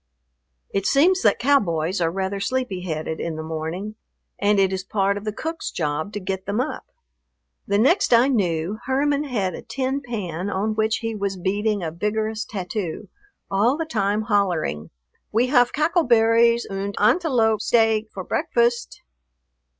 It seems that cowboys are rather sleepy headed in the morning and it is a part of the cook's job to get them up. The next I knew, Herman had a tin pan on which he was beating a vigorous tattoo, all the time hollering, "We haf cackle berries und antelope steak for breakfast."